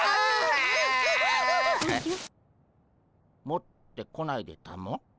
持ってこないでたも？